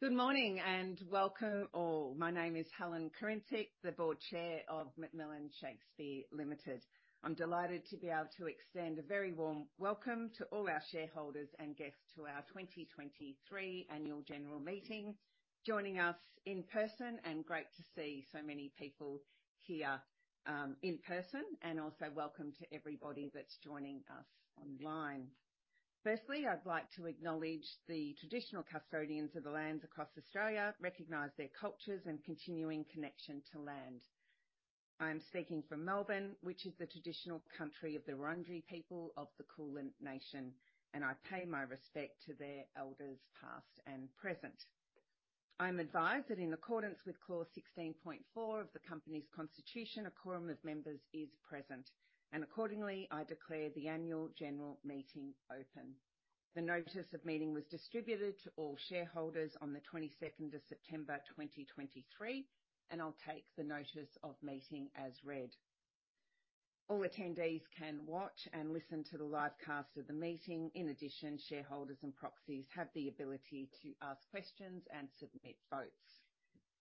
Good morning, and welcome all. My name is Helen Kurincic, the Board Chair of McMillan Shakespeare Limited. I'm delighted to be able to extend a very warm welcome to all our shareholders and guests to our 2023 annual general meeting. Joining us in person, and great to see so many people here, in person, and also welcome to everybody that's joining us online. Firstly, I'd like to acknowledge the traditional custodians of the lands across Australia, recognize their cultures and continuing connection to land. I'm speaking from Melbourne, which is the traditional country of the Wurundjeri people of the Kulin Nation, and I pay my respect to their elders, past and present. I'm advised that in accordance with Clause 16.4 of the company's constitution, a quorum of members is present, and accordingly, I declare the annual general meeting open. The notice of meeting was distributed to all shareholders on the 22nd of September, 2023, and I'll take the notice of meeting as read. All attendees can watch and listen to the live cast of the meeting. In addition, shareholders and proxies have the ability to ask questions and submit votes.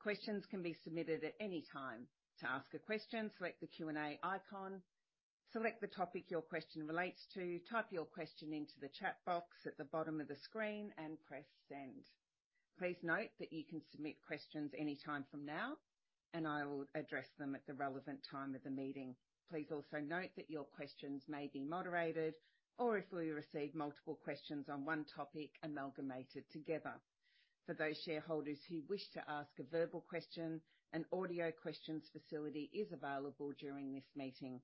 Questions can be submitted at any time. To ask a question, select the Q&A icon. Select the topic your question relates to, type your question into the chat box at the bottom of the screen, and press Send. Please note that you can submit questions anytime from now, and I will address them at the relevant time of the meeting. Please also note that your questions may be moderated or if we receive multiple questions on one topic, amalgamated together. For those shareholders who wish to ask a verbal question, an audio questions facility is available during this meeting.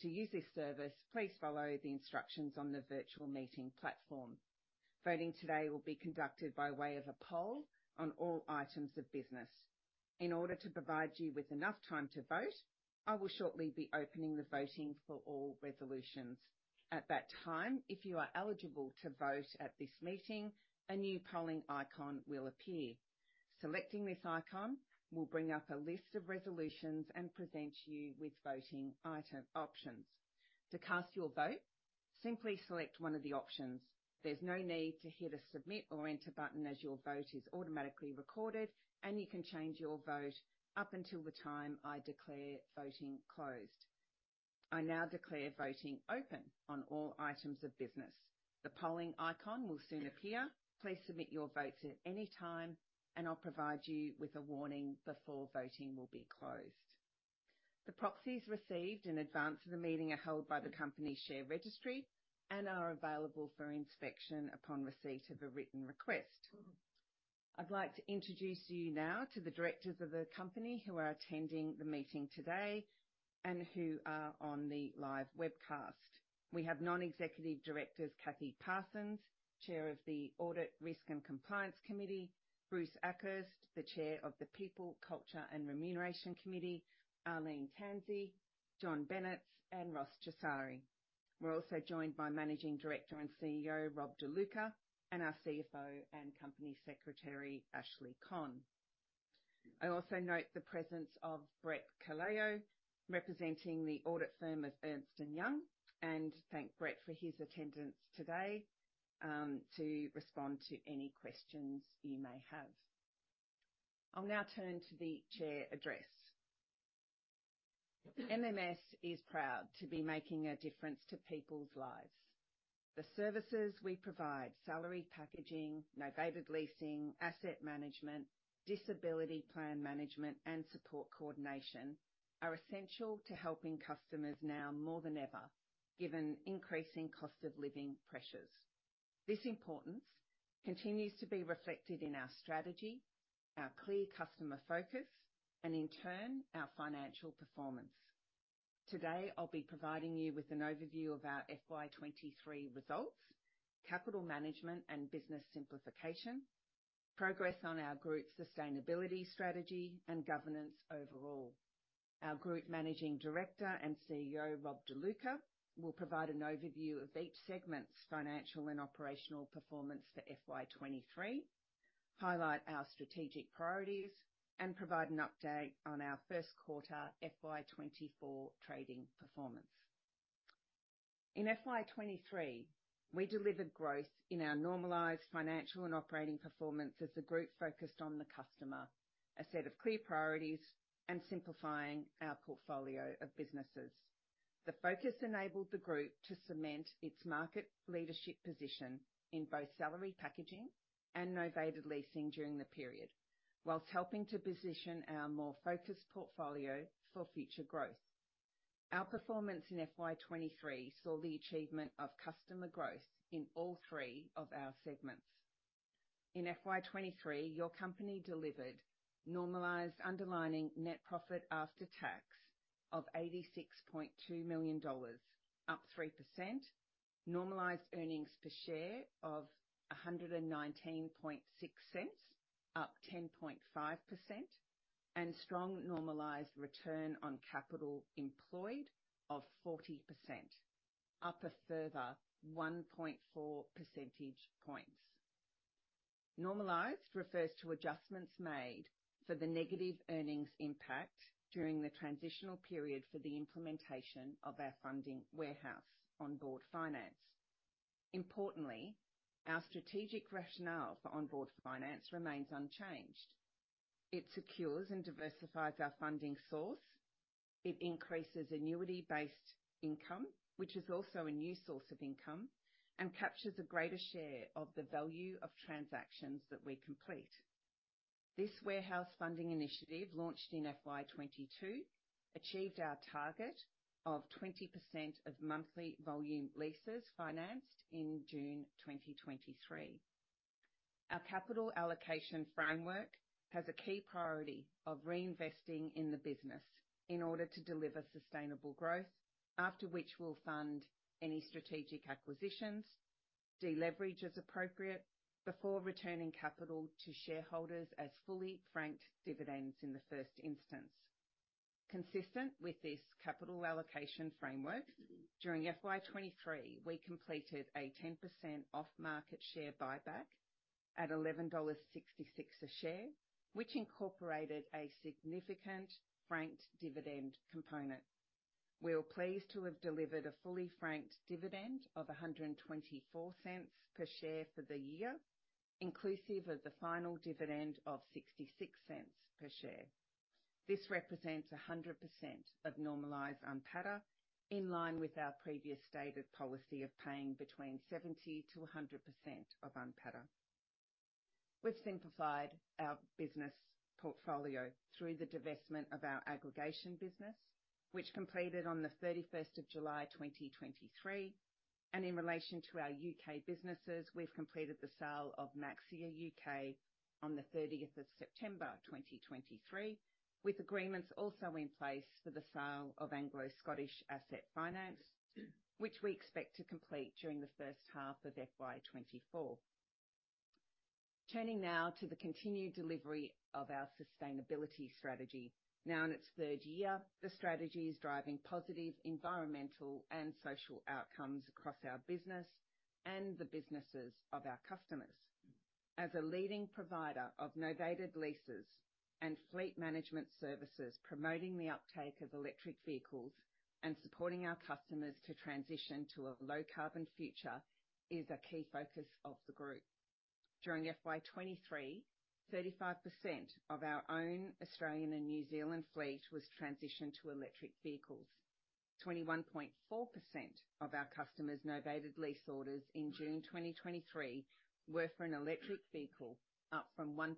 To use this service, please follow the instructions on the virtual meeting platform. Voting today will be conducted by way of a poll on all items of business. In order to provide you with enough time to vote, I will shortly be opening the voting for all resolutions. At that time, if you are eligible to vote at this meeting, a new polling icon will appear. Selecting this icon will bring up a list of resolutions and present you with voting item options. To cast your vote, simply select one of the options. There's no need to hit a submit or enter button, as your vote is automatically recorded, and you can change your vote up until the time I declare voting closed. I now declare voting open on all items of business. The polling icon will soon appear. Please submit your votes at any time, and I'll provide you with a warning before voting will be closed. The proxies received in advance of the meeting are held by the company share registry and are available for inspection upon receipt of a written request. I'd like to introduce you now to the directors of the company who are attending the meeting today and who are on the live webcast. We have non-executive directors, Kathy Parsons, Chair of the Audit, Risk, and Compliance Committee, Bruce Akhurst, the Chair of the People, Culture, and Remuneration Committee, Arlene Tansey, John Bennetts, and Ross Chessari. We're also joined by Managing Director and CEO, Rob De Luca, and our CFO and Company Secretary, Ashley Conn. I also note the presence of Brett Kallio, representing the audit firm of Ernst & Young, and thank Brett for his attendance today, to respond to any questions you may have. I'll now turn to the chair address. MMS is proud to be making a difference to people's lives. The services we provide, salary packaging, novated leasing, asset management, disability plan management, and support coordination, are essential to helping customers now more than ever, given increasing cost of living pressures. This importance continues to be reflected in our strategy, our clear customer focus, and in turn, our financial performance. Today, I'll be providing you with an overview of our FY 2023 results, capital management and business simplification, progress on our group's sustainability, strategy, and governance overall. Our Group Managing Director and CEO, Rob De Luca, will provide an overview of each segment's financial and operational performance for FY 2023, highlight our strategic priorities, and provide an update on our first quarter FY 2024 trading performance. In FY 2023, we delivered growth in our normalized financial and operating performance as the group focused on the customer, a set of clear priorities, and simplifying our portfolio of businesses. The focus enabled the group to cement its market leadership position in both salary packaging and novated leasing during the period, while helping to position our more focused portfolio for future growth. Our performance in FY 2023 saw the achievement of customer growth in all three of our segments. In FY 2023, your company delivered normalized underlying net profit after tax of 86.2 million dollars, up 3%, normalized earnings per share of 1.196, up 10.5%, and strong normalized return on capital employed of 40%, up a further 1.4 percentage points. Normalized refers to adjustments made for the negative earnings impact during the transitional period for the implementation of our funding warehouse, Onboard Finance. Importantly, our strategic rationale for Onboard Finance remains unchanged. It secures and diversifies our funding source. It increases annuity-based income, which is also a new source of income, and captures a greater share of the value of transactions that we complete. This warehouse funding initiative, launched in FY 2022, achieved our target of 20% of monthly volume leases financed in June 2023. Our capital allocation framework has a key priority of reinvesting in the business in order to deliver sustainable growth, after which we'll fund any strategic acquisitions, deleverage as appropriate, before returning capital to shareholders as fully franked dividends in the first instance. Consistent with this capital allocation framework, during FY 2023, we completed a 10% off-market share buyback at 11.66 dollars a share, which incorporated a significant franked dividend component. We are pleased to have delivered a fully franked dividend of 1.24 per share for the year, inclusive of the final dividend of 0.66 per share. This represents 100% of normalized NPATA, in line with our previous stated policy of paying between 70%-100% of NPATA. We've simplified our business portfolio through the divestment of our aggregation business, which completed on the 31st of July, 2023. In relation to our U.K. businesses, we've completed the sale of Maxxia U.K. on the 30th of September, 2023, with agreements also in place for the sale of Anglo Scottish Asset Finance, which we expect to complete during the first half of FY 2024. Turning now to the continued delivery of our sustainability strategy. Now, in its third year, the strategy is driving positive environmental and social outcomes across our business and the businesses of our customers. As a leading provider of novated leases and fleet management services, promoting the uptake of electric vehicles and supporting our customers to transition to a low carbon future is a key focus of the group. During FY 2023, 35% of our own Australian and New Zealand fleet was transitioned to electric vehicles. 21.4% of our customers' novated lease orders in June 2023 were for an electric vehicle, up from 1%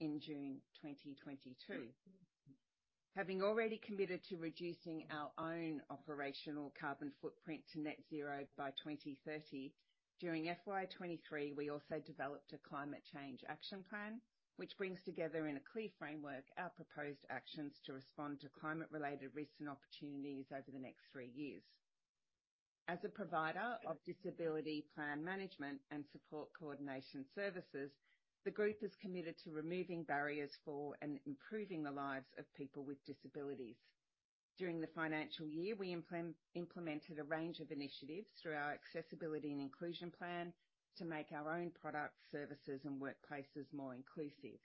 in June 2022. Having already committed to reducing our own operational carbon footprint to net zero by 2030, during FY 2023, we also developed a climate change action plan, which brings together, in a clear framework, our proposed actions to respond to climate-related risks and opportunities over the next three years. As a provider of disability plan management and support coordination services, the group is committed to removing barriers for and improving the lives of people with disabilities. During the financial year, we implemented a range of initiatives through our accessibility and inclusion plan to make our own products, services, and workplaces more inclusive.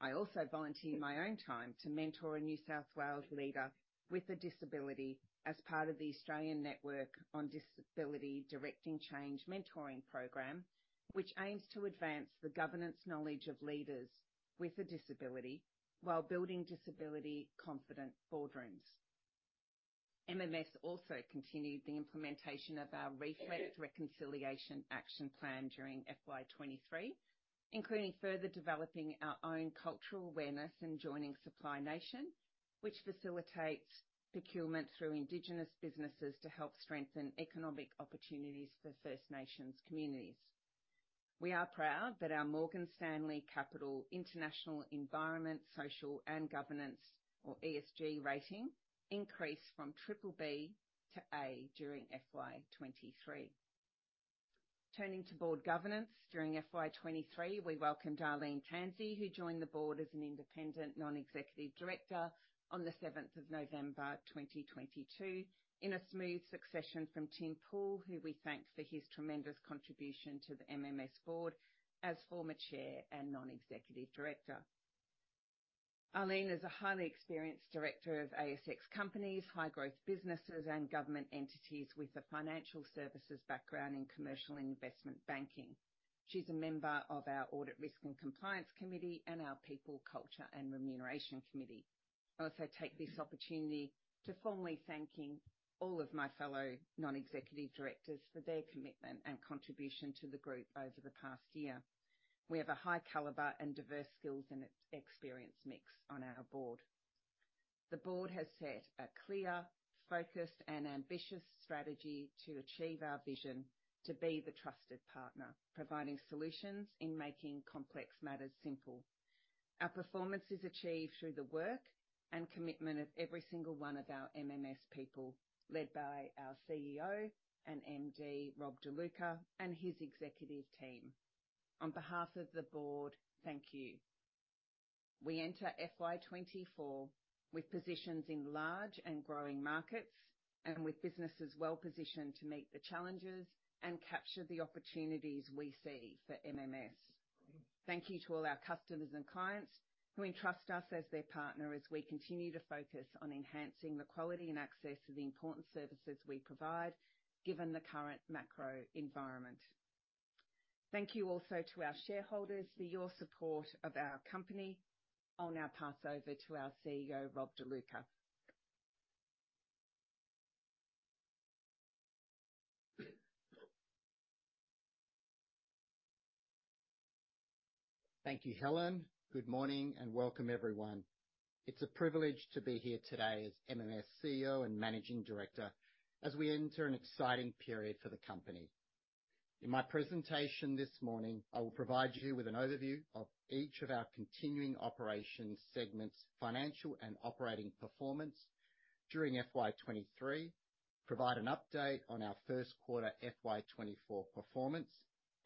I also volunteered my own time to mentor a New South Wales leader with a disability as part of the Australian Network on Disability Directing Change Mentoring program, which aims to advance the governance knowledge of leaders with a disability while building disability-confident boardrooms. MMS also continued the implementation of our Reflect Reconciliation Action Plan during FY 2023, including further developing our own cultural awareness and joining Supply Nation, which facilitates procurement through Indigenous businesses to help strengthen economic opportunities for First Nations communities. We are proud that our Morgan Stanley Capital International environmental, social, and governance, or ESG, rating, increased from BBB to A during FY 2023. Turning to board governance. During FY 2023, we welcomed Arlene Tansey, who joined the board as an independent non-executive director on the 7th of November 2022, in a smooth succession from Tim Poole, who we thank for his tremendous contribution to the MMS board as former Chair and Non-Executive Director. Arlene is a highly experienced director of ASX companies, high-growth businesses, and government entities with a financial services background in commercial and investment banking. She's a member of our Audit, Risk and Compliance Committee and our People, Culture and Remuneration Committee. I also take this opportunity to formally thanking all of my fellow non-executive directors for their commitment and contribution to the group over the past year. We have a high caliber and diverse skills and experience mix on our board. The board has set a clear, focused, and ambitious strategy to achieve our vision: to be the trusted partner, providing solutions in making complex matters simple. Our performance is achieved through the work and commitment of every single one of our MMS people, led by our CEO and MD, Rob De Luca, and his executive team. On behalf of the board, thank you. We enter FY 2024 with positions in large and growing markets, and with businesses well positioned to meet the challenges and capture the opportunities we see for MMS. Thank you to all our customers and clients who entrust us as their partner, as we continue to focus on enhancing the quality and access to the important services we provide, given the current macro environment. Thank you also to our shareholders for your support of our company. I'll now pass over to our CEO, Rob De Luca. Thank you, Helen. Good morning, and welcome everyone. It's a privilege to be here today as MMS CEO and Managing Director, as we enter an exciting period for the company. In my presentation this morning, I will provide you with an overview of each of our continuing operations segments, financial and operating performance during FY 2023, provide an update on our first quarter FY 2024 performance,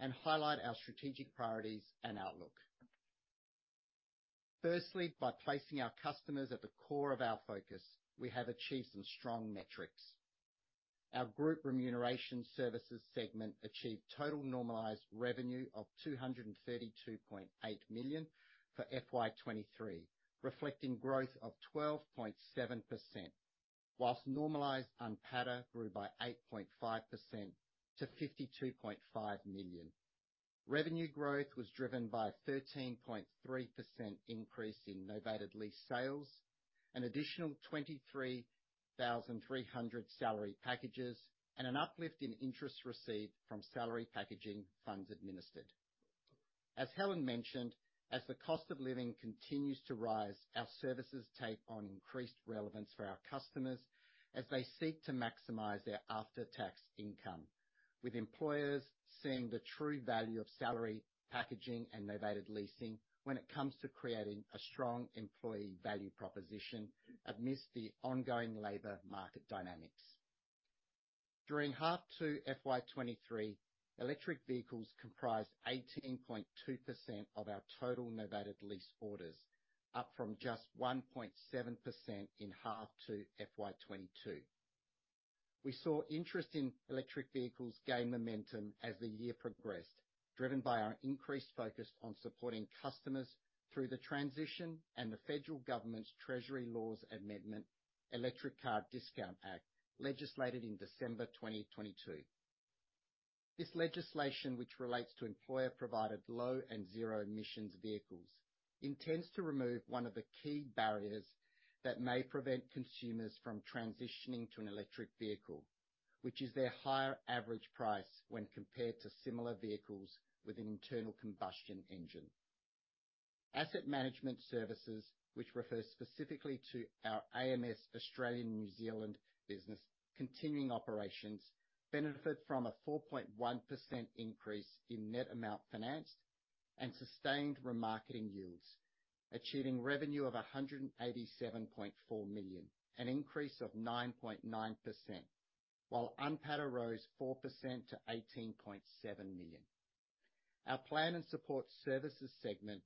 and highlight our strategic priorities and outlook. Firstly, by placing our customers at the core of our focus, we have achieved some strong metrics. Our group remuneration services segment achieved total normalized revenue of 232.8 million for FY 2023, reflecting growth of 12.7%, while normalized NPATA grew by 8.5% to 52.5 million. Revenue growth was driven by a 13.3% increase in novated lease sales, an additional 23,300 salary packages, and an uplift in interest received from salary packaging funds administered. As Helen mentioned, as the cost of living continues to rise, our services take on increased relevance for our customers as they seek to maximize their after-tax income, with employers seeing the true value of salary packaging and novated leasing when it comes to creating a strong employee value proposition amidst the ongoing labor market dynamics. During H2 FY 2023, electric vehicles comprised 18.2% of our total novated lease orders, up from just 1.7% in H2 FY 2022. We saw interest in electric vehicles gain momentum as the year progressed, driven by our increased focus on supporting customers through the transition and the Federal Government's Treasury Laws Amendment Electric Car Discount Act, legislated in December 2022. This legislation, which relates to employer-provided low and zero emissions vehicles, intends to remove one of the key barriers that may prevent consumers from transitioning to an electric vehicle, which is their higher average price when compared to similar vehicles with an internal combustion engine. Asset Management Services, which refers specifically to our AMS, Australian, New Zealand business continuing operations, benefit from a 4.1% increase in net amount financed and sustained remarketing yields, achieving revenue of 187.4 million, an increase of 9.9%, while NPATA rose 4% to 18.7 million. Our Plan and Support Services segment,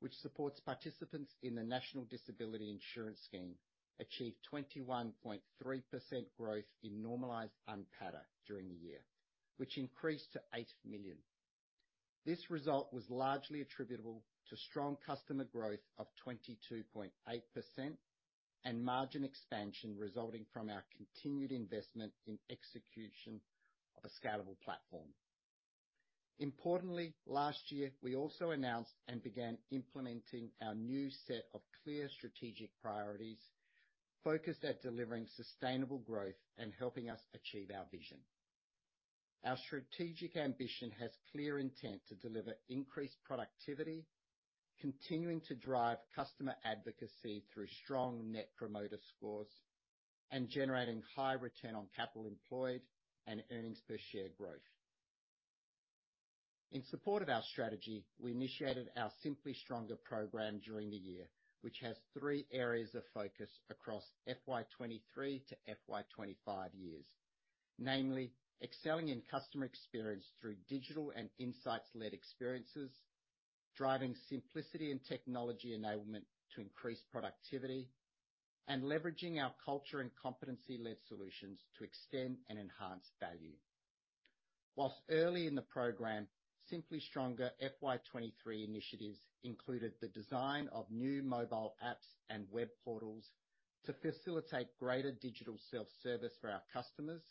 which supports participants in the National Disability Insurance Scheme, achieved 21.3% growth in normalized NPATA during the year, which increased to 8 million. This result was largely attributable to strong customer growth of 22.8% and margin expansion, resulting from our continued investment in execution of a scalable platform. Importantly, last year, we also announced and began implementing our new set of clear strategic priorities, focused at delivering sustainable growth and helping us achieve our vision. Our strategic ambition has clear intent to deliver increased productivity, continuing to drive customer advocacy through strong net promoter scores, and generating high return on capital employed and earnings per share growth. In support of our strategy, we initiated our Simply Stronger program during the year, which has three areas of focus across FY 2023 to FY 2025 years. Namely, excelling in customer experience through digital and insights-led experiences, driving simplicity and technology enablement to increase productivity, and leveraging our culture and competency-led solutions to extend and enhance value. While early in the program, Simply Stronger FY 2023 initiatives included the design of new mobile apps and web portals to facilitate greater digital self-service for our customers,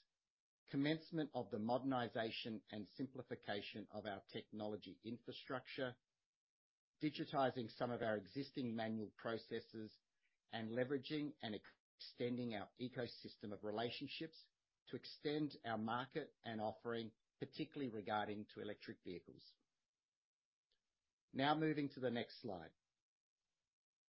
commencement of the modernization and simplification of our technology infrastructure, digitizing some of our existing manual processes, and leveraging and extending our ecosystem of relationships to extend our market and offering, particularly regarding to electric vehicles. Now, moving to the next slide.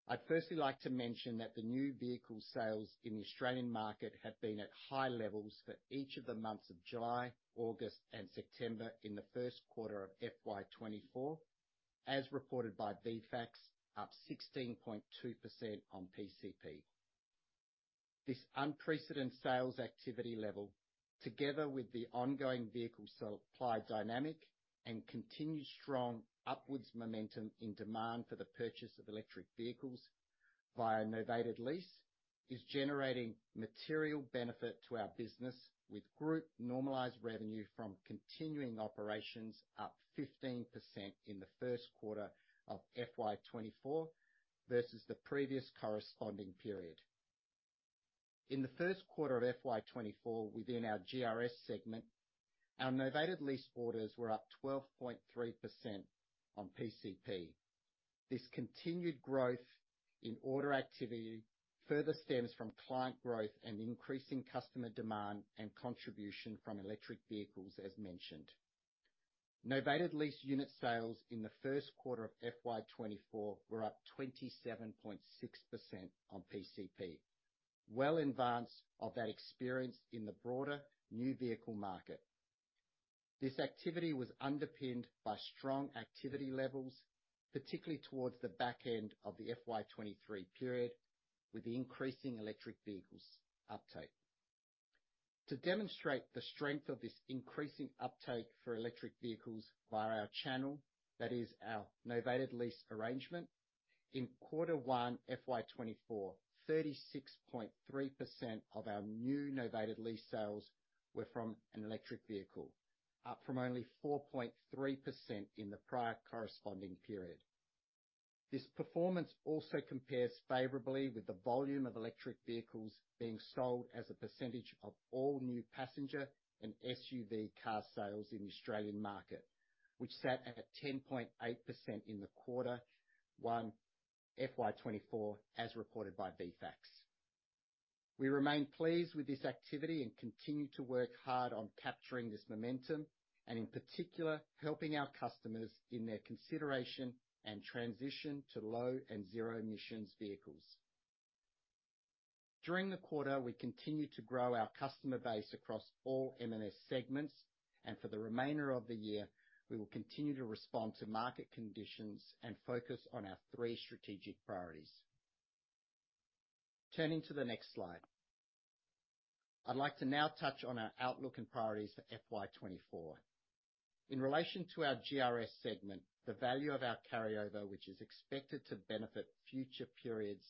I'd firstly like to mention that the new vehicle sales in the Australian market have been at high levels for each of the months of July, August, and September in the first quarter of FY 2024, as reported by VFACTS, up 16.2% on PCP. This unprecedented sales activity level, together with the ongoing vehicle supply dynamic and continued strong upwards momentum in demand for the purchase of electric vehicles via novated lease, is generating material benefit to our business, with group normalized revenue from continuing operations up 15% in the first quarter of FY 2024 versus the previous corresponding period. In the first quarter of FY 2024, within our GRS segment, our novated lease orders were up 12.3% on PCP. This continued growth in order activity further stems from client growth and increasing customer demand and contribution from electric vehicles, as mentioned. Novated lease unit sales in the first quarter of FY 2024 were up 27.6% on PCP, well in advance of that experience in the broader new vehicle market. This activity was underpinned by strong activity levels, particularly towards the back end of the FY 2023 period, with the increasing electric vehicles uptake. To demonstrate the strength of this increasing uptake for electric vehicles via our channel, that is our novated lease arrangement, in quarter one, FY 2024, 36.3% of our new novated lease sales were from an electric vehicle, up from only 4.3% in the prior corresponding period. This performance also compares favorably with the volume of electric vehicles being sold as a percentage of all new passenger and SUV car sales in the Australian market, which sat at 10.8% in the quarter one, FY 2024, as reported by VFACTS. We remain pleased with this activity and continue to work hard on capturing this momentum and, in particular, helping our customers in their consideration and transition to low and zero emissions vehicles. During the quarter, we continued to grow our customer base across all AMS segments, and for the remainder of the year, we will continue to respond to market conditions and focus on our three strategic priorities. Turning to the next slide. I'd like to now touch on our outlook and priorities for FY 2024. In relation to our GRS segment, the value of our carryover, which is expected to benefit future periods,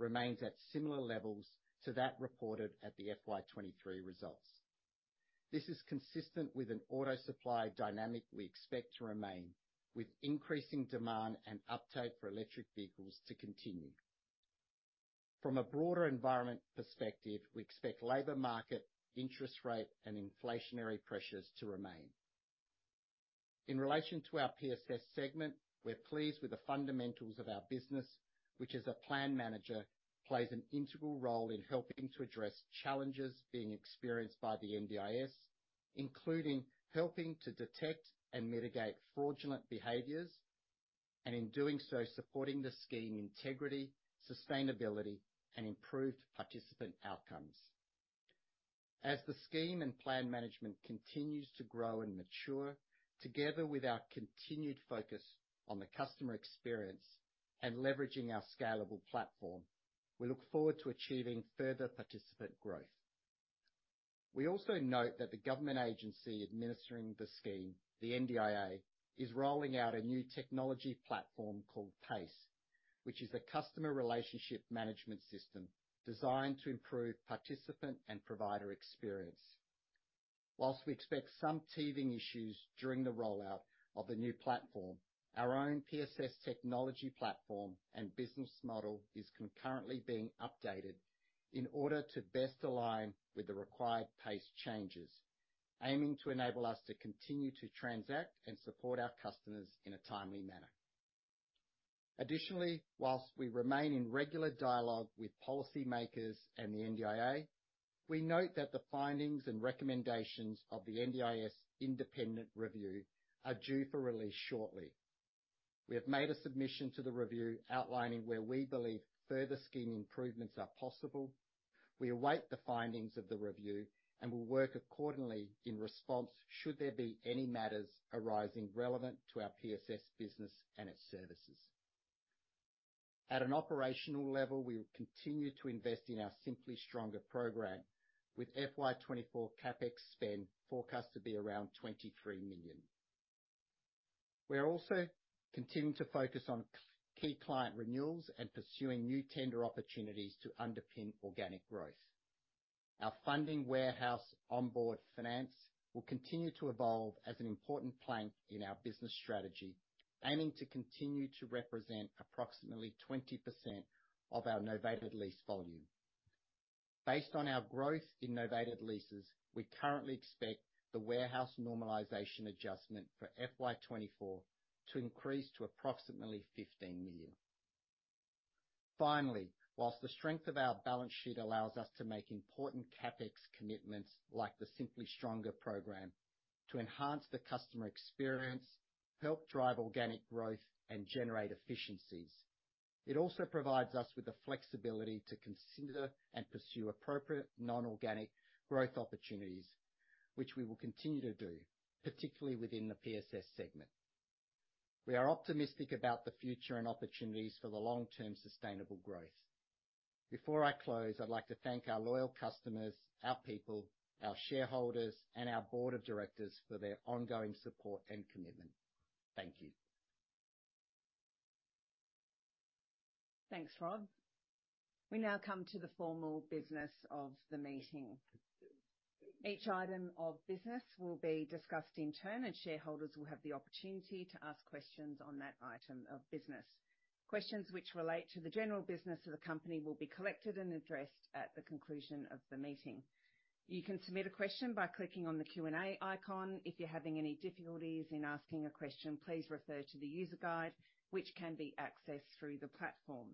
remains at similar levels to that reported at the FY 2023 results. This is consistent with an auto supply dynamic we expect to remain, with increasing demand and uptake for electric vehicles to continue. From a broader environment perspective, we expect labor market, interest rate, and inflationary pressures to remain. In relation to our PSS segment, we're pleased with the fundamentals of our business, which, as a plan manager, plays an integral role in helping to address challenges being experienced by the NDIS, including helping to detect and mitigate fraudulent behaviors, and in doing so, supporting the scheme integrity, sustainability, and improved participant outcomes. As the scheme and plan management continues to grow and mature, together with our continued focus on the customer experience and leveraging our scalable platform, we look forward to achieving further participant growth. We also note that the government agency administering the scheme, the NDIA, is rolling out a new technology platform called PACE, which is a customer relationship management system designed to improve participant and provider experience. While we expect some teething issues during the rollout of the new platform, our own PSS technology platform and business model is concurrently being updated in order to best align with the required pace changes, aiming to enable us to continue to transact and support our customers in a timely manner. Additionally, while we remain in regular dialogue with policymakers and the NDIA, we note that the findings and recommendations of the NDIS independent review are due for release shortly. We have made a submission to the review, outlining where we believe further scheme improvements are possible. We await the findings of the review and will work accordingly in response, should there be any matters arising relevant to our PSS business and its services. At an operational level, we will continue to invest in our Simply Stronger program, with FY 2024 CapEx spend forecast to be around 23 million. We are also continuing to focus on key client renewals and pursuing new tender opportunities to underpin organic growth. Our funding warehouse Onboard Finance will continue to evolve as an important plank in our business strategy, aiming to continue to represent approximately 20% of our novated lease volume. Based on our growth in novated leases, we currently expect the warehouse normalization adjustment for FY 2024 to increase to approximately 15 million. Finally, while the strength of our balance sheet allows us to make important CapEx commitments, like the Simply Stronger program, to enhance the customer experience, help drive organic growth, and generate efficiencies, it also provides us with the flexibility to consider and pursue appropriate non-organic growth opportunities, which we will continue to do, particularly within the PSS segment. We are optimistic about the future and opportunities for the long-term sustainable growth. Before I close, I'd like to thank our loyal customers, our people, our shareholders, and our board of directors for their ongoing support and commitment. Thank you. Thanks, Rob. We now come to the formal business of the meeting. Each item of business will be discussed in turn, and shareholders will have the opportunity to ask questions on that item of business. Questions which relate to the General Business of the company will be collected and addressed at the conclusion of the meeting. You can submit a question by clicking on the Q&A icon. If you're having any difficulties in asking a question, please refer to the user guide, which can be accessed through the platform.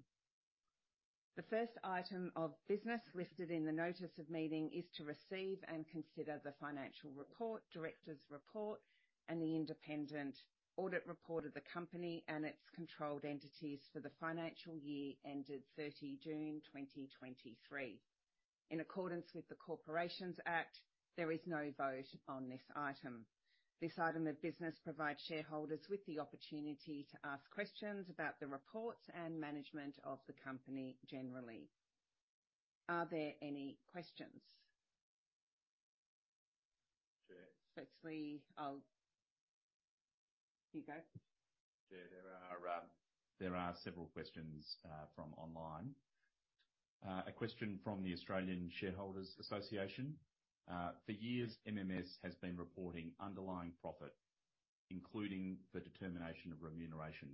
The first item of business listed in the notice of meeting is to receive and consider the financial report, directors' report, and the independent audit report of the company and its controlled entities for the financial year ended 30 June 2023. In accordance with the Corporations Act, there is no vote on this item. This item of business provides shareholders with the opportunity to ask questions about the reports and management of the company generally. Are there any questions? Chair. Actually, I'll... You go. Chair, there are several questions from online. A question from the Australian Shareholders' Association. For years, MMS has been reporting underlying profit, including the determination of remuneration,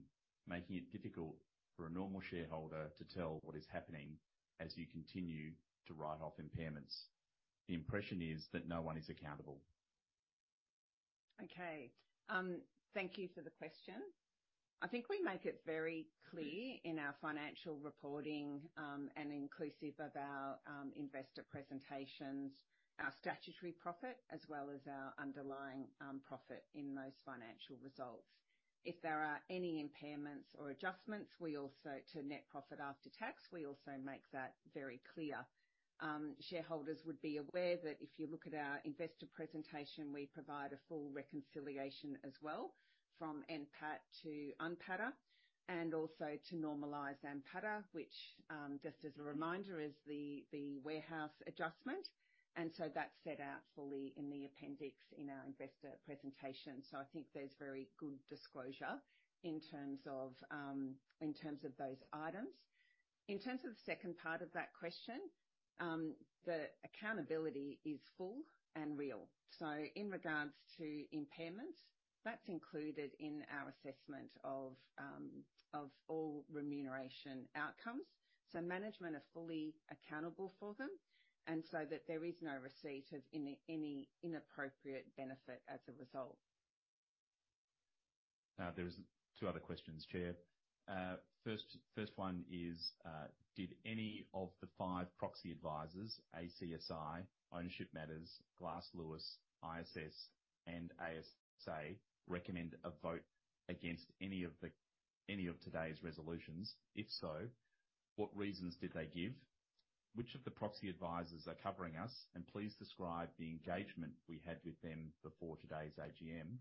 making it difficult for a normal shareholder to tell what is happening as you continue to write off impairments. The impression is that no one is accountable. Okay. Thank you for the question. I think we make it very clear in our financial reporting, and inclusive of our, investor presentations, our statutory profit, as well as our underlying, profit in those financial results. If there are any impairments or adjustments, we also, to net profit after tax, we also make that very clear. Shareholders would be aware that if you look at our investor presentation, we provide a full reconciliation as well from NPAT to NPATA, and also to normalize NPATA, which, just as a reminder, is the, the warehouse adjustment, and so that's set out fully in the appendix in our investor presentation. So I think there's very good disclosure in terms of, in terms of those items. In terms of the second part of that question, the accountability is full and real. So in regards to impairments, that's included in our assessment of, of all remuneration outcomes, so management are fully accountable for them, and so that there is no receipt of any, any inappropriate benefit as a result. There are two other questions, Chair. First, first one is, Did any of the five proxy advisors, ACSI, Ownership Matters, Glass Lewis, ISS, and ASA, recommend a vote against any of the-- any of today's resolutions? If so, what reasons did they give? Which of the proxy advisors are covering us, and please describe the engagement we had with them before today's AGM.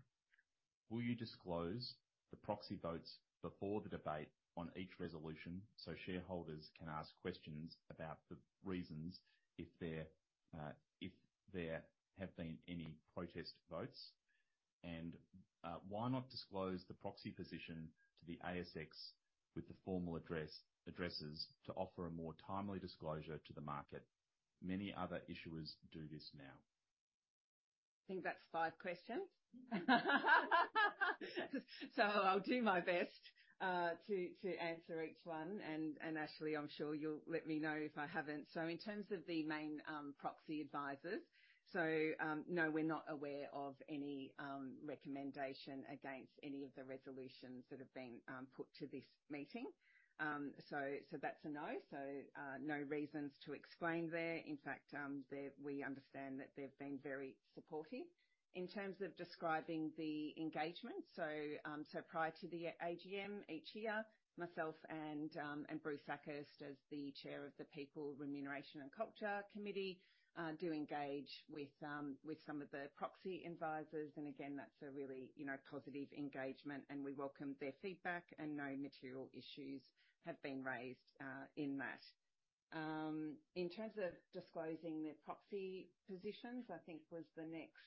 Will you disclose the proxy votes before the debate on each resolution, so shareholders can ask questions about the reasons, if there, if there have been any protest votes? And, why not disclose the proxy position to the ASX with the formal address, addresses to offer a more timely disclosure to the market? Many other issuers do this now. I think that's five questions. So I'll do my best to answer each one, and Ashley, I'm sure you'll let me know if I haven't. So in terms of the main proxy advisors, no, we're not aware of any recommendation against any of the resolutions that have been put to this meeting. So that's a no. So no reasons to explain there. In fact, we understand that they've been very supportive. In terms of describing the engagement, so prior to the AGM, each year, myself and Bruce Akhurst, as the Chair of the People, Remuneration and Culture Committee, do engage with some of the proxy advisors. And again, that's a really, you know, positive engagement, and we welcome their feedback, and no material issues have been raised in that. In terms of disclosing their proxy positions, I think was the next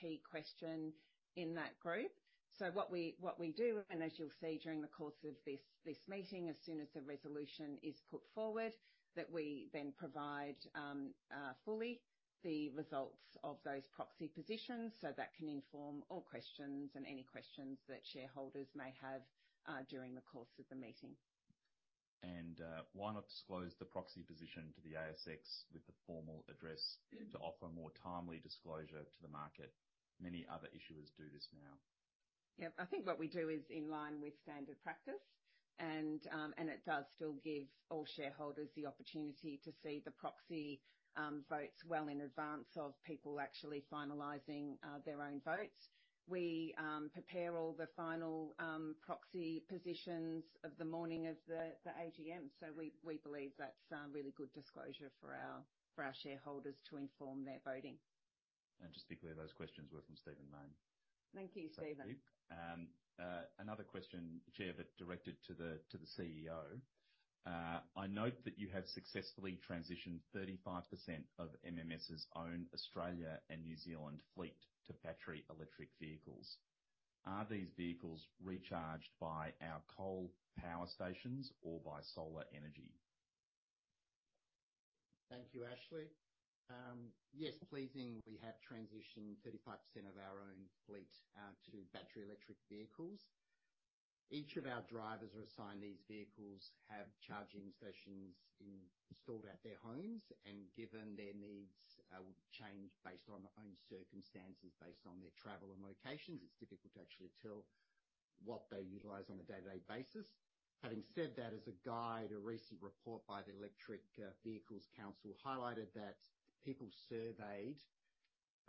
key question in that group. So what we, what we do, and as you'll see during the course of this, this meeting, as soon as the resolution is put forward, that we then provide fully the results of those proxy positions, so that can inform all questions and any questions that shareholders may have during the course of the meeting. Why not disclose the proxy position to the ASX with the formal address to offer a more timely disclosure to the market? Many other issuers do this now. Yep. I think what we do is in line with standard practice, and it does still give all shareholders the opportunity to see the proxy votes well in advance of people actually finalizing their own votes. We prepare all the final proxy positions of the morning of the AGM, so we believe that's really good disclosure for our shareholders to inform their voting.... just to be clear, those questions were from Stephen Mayne. Thank you, Stephen. Thank you. Another question, Chair, but directed to the CEO. I note that you have successfully transitioned 35% of MMS's own Australia and New Zealand fleet to battery electric vehicles. Are these vehicles recharged by our coal power stations or by solar energy? Thank you, Ashley. Yes, pleasing, we have transitioned 35% of our own fleet to battery electric vehicles. Each of our drivers who are assigned these vehicles have charging stations installed at their homes, and given their needs will change based on their own circumstances, based on their travel and locations, it's difficult to actually tell what they utilize on a day-to-day basis. Having said that, as a guide, a recent report by the Electric Vehicle Council highlighted that people surveyed,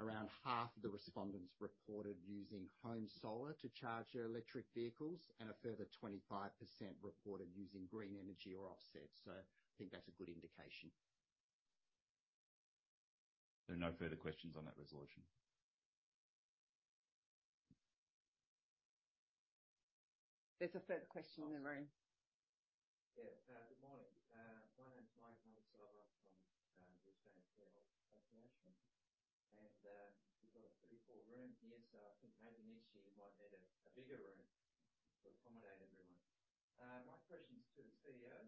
around half of the respondents reported using home solar to charge their electric vehicles, and a further 25% reported using green energy or offsets. So I think that's a good indication. There are no further questions on that resolution. There's a further question in the room. Yeah, good morning. My name is Michael Munsie from the Australian Shareholders' Association, and we've got a pretty full room here,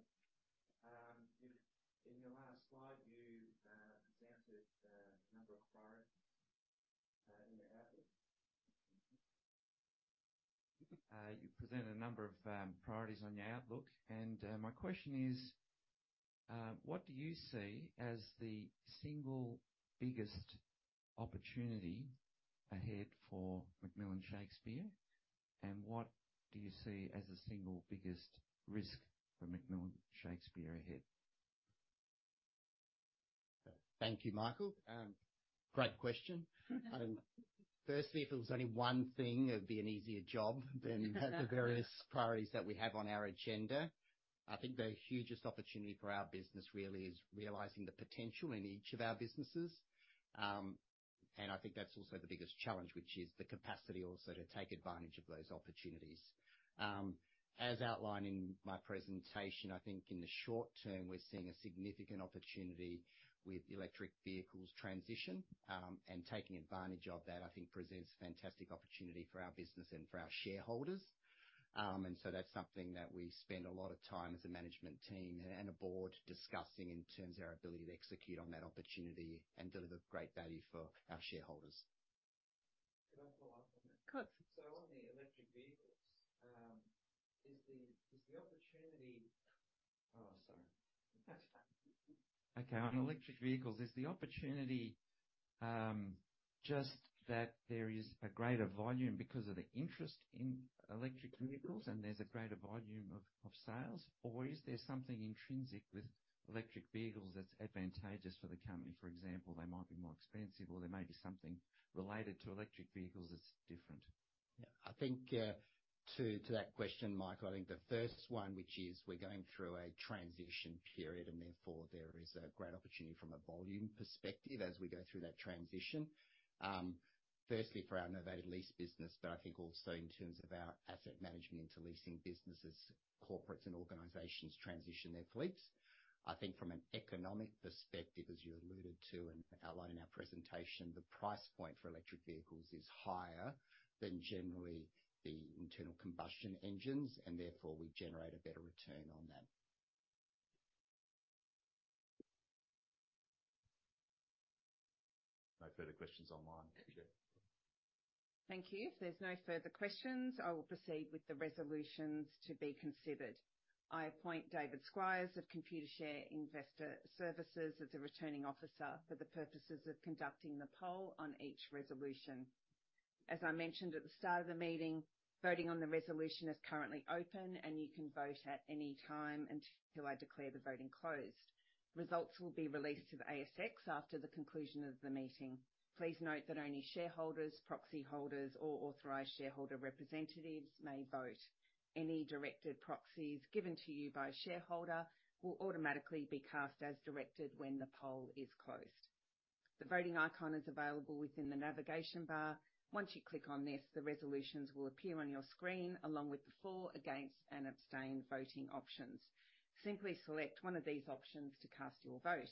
so I think maybe next year you might need a bigger room to accommodate everyone. My question is to the CEO. In your last slide, you presented a number of priorities in your outlook. You presented a number of priorities on your outlook, and my question is: What do you see as the single biggest opportunity ahead for McMillan Shakespeare? And what do you see as the single biggest risk for McMillan Shakespeare ahead? Thank you, Michael. Great question. Firstly, if it was only one thing, it would be an easier job than the various priorities that we have on our agenda. I think the hugest opportunity for our business really is realizing the potential in each of our businesses. And I think that's also the biggest challenge, which is the capacity also to take advantage of those opportunities. As outlined in my presentation, I think in the short term, we're seeing a significant opportunity with electric vehicles transition. And taking advantage of that, I think presents a fantastic opportunity for our business and for our shareholders. And so that's something that we spend a lot of time as a management team and a board discussing in terms of our ability to execute on that opportunity and deliver great value for our shareholders. Can I follow up on that? Of course. On electric vehicles, is the opportunity just that there is a greater volume because of the interest in electric vehicles and there's a greater volume of sales? Or is there something intrinsic with electric vehicles that's advantageous for the company? For example, they might be more expensive, or there may be something related to electric vehicles that's different. Yeah. I think, to, to that question, Michael, I think the first one, which is we're going through a transition period, and therefore, there is a great opportunity from a volume perspective as we go through that transition. Firstly, for our novated lease business, but I think also in terms of our asset management to leasing businesses, corporates and organizations transition their fleets. I think from an economic perspective, as you alluded to and outlined in our presentation, the price point for electric vehicles is higher than generally the internal combustion engines, and therefore, we generate a better return on that. No further questions online. Thank you. Thank you. If there's no further questions, I will proceed with the resolutions to be considered. I appoint David Squires of Computershare Investor Services as the Returning Officer for the purposes of conducting the poll on each resolution. As I mentioned at the start of the meeting, voting on the resolution is currently open, and you can vote at any time until I declare the voting closed. Results will be released to the ASX after the conclusion of the meeting. Please note that only shareholders, proxy holders, or authorized shareholder representatives may vote. Any directed proxies given to you by a shareholder will automatically be cast as directed when the poll is closed. The voting icon is available within the navigation bar. Once you click on this, the resolutions will appear on your screen, along with the for, against, and abstain voting options. Simply select one of these options to cast your vote.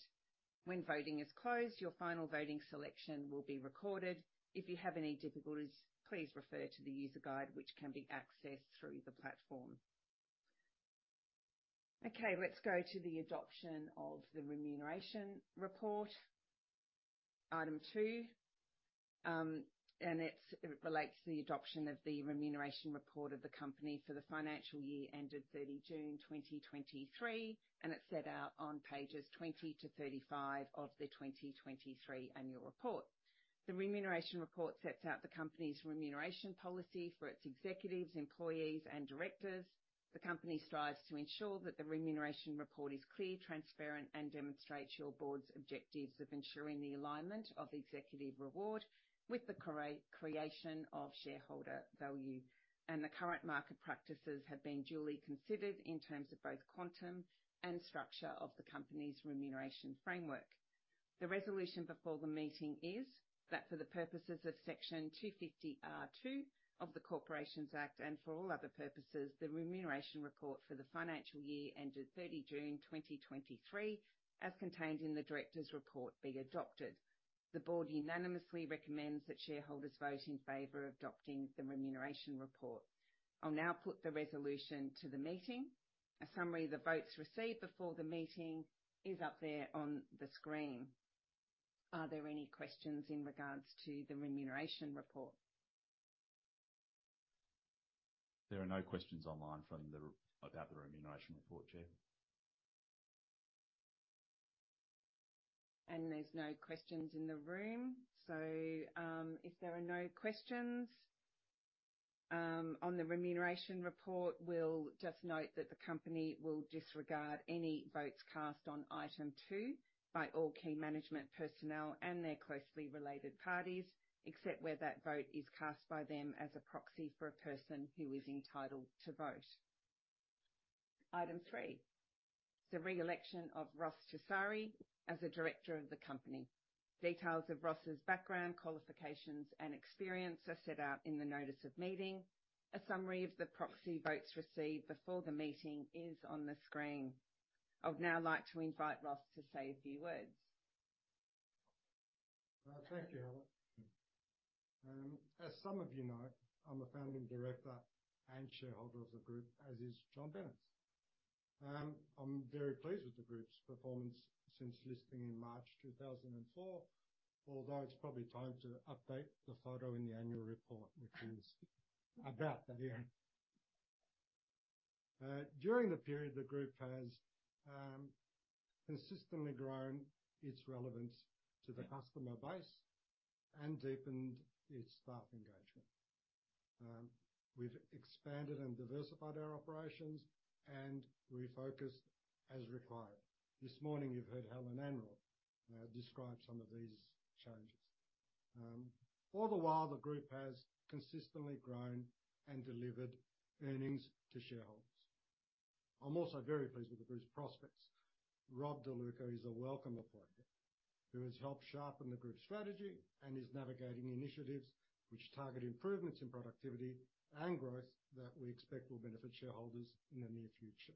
When voting is closed, your final voting selection will be recorded. If you have any difficulties, please refer to the user guide, which can be accessed through the platform. Okay, let's go to the adoption of the remuneration report. Item two, and it relates to the adoption of the remuneration report of the company for the financial year ended 30 June 2023, and it's set out on pages 20 to 35 of the 2023 annual report. The remuneration report sets out the company's remuneration policy for its executives, employees, and directors. The company strives to ensure that the remuneration report is clear, transparent, and demonstrates your board's objectives of ensuring the alignment of executive reward-... With the correct creation of shareholder value, and the current market practices have been duly considered in terms of both quantum and structure of the company's remuneration framework. The resolution before the meeting is, that for the purposes of Section 250R(2) of the Corporations Act, and for all other purposes, the remuneration report for the financial year ended 30 June 2023, as contained in the directors' report, be adopted. The board unanimously recommends that shareholders vote in favor of adopting the remuneration report. I'll now put the resolution to the meeting. A summary of the votes received before the meeting is up there on the screen. Are there any questions in regards to the remuneration report? There are no questions online from the ASA about the remuneration report, Chair. There's no questions in the room. If there are no questions on the remuneration report, we'll just note that the company will disregard any votes cast on item two by all key management personnel and their closely related parties, except where that vote is cast by them as a proxy for a person who is entitled to vote. Item three, the re-election of Ross Chessari as a director of the company. Details of Ross's background, qualifications, and experience are set out in the notice of meeting. A summary of the proxy votes received before the meeting is on the screen. I would now like to invite Ross to say a few words. Thank you, Helen. As some of you know, I'm a founding director and shareholder of the group, as is John Bennetts. I'm very pleased with the group's performance since listing in March 2004, although it's probably time to update the photo in the annual report, which is about that year. During the period, the group has consistently grown its relevance to the customer base and deepened its staff engagement. We've expanded and diversified our operations and refocused as required. This morning, you've heard Helen Kurincic describe some of these changes. All the while, the group has consistently grown and delivered earnings to shareholders. I'm also very pleased with the group's prospects. Rob De Luca is a welcome appointment, who has helped sharpen the group's strategy and is navigating initiatives which target improvements in productivity and growth, that we expect will benefit shareholders in the near future.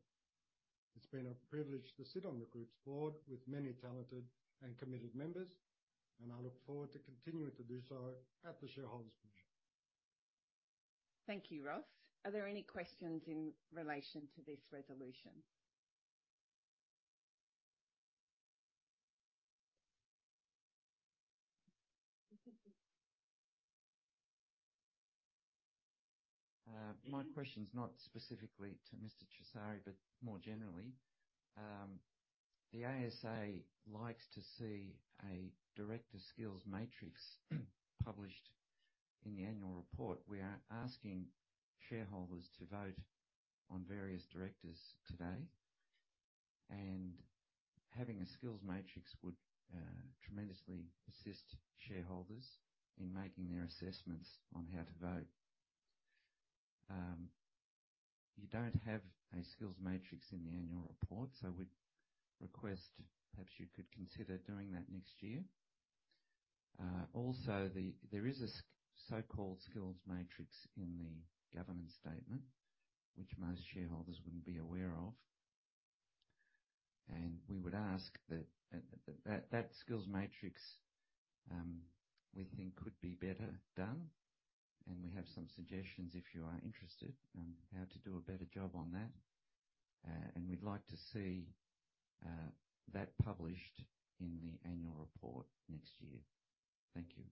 It's been a privilege to sit on the group's board with many talented and committed members, and I look forward to continuing to do so at the shareholders' meeting. Thank you, Ross. Are there any questions in relation to this resolution? My question's not specifically to Mr. Chessari, but more generally. The ASA likes to see a director skills matrix published in the annual report. We are asking shareholders to vote on various directors today, and having a skills matrix would tremendously assist shareholders in making their assessments on how to vote. You don't have a skills matrix in the annual report, so we'd request, perhaps you could consider doing that next year. Also, there is a so-called skills matrix in the governance statement, which most shareholders wouldn't be aware of. We would ask that that skills matrix we think could be better done, and we have some suggestions, if you are interested, on how to do a better job on that. And we'd like to see that published in the annual report next year. Thank you.